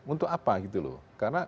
untuk apa gitu loh karena